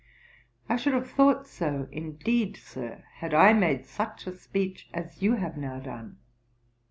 'I should have thought so indeed, Sir, had I made such a speech as you have now done.'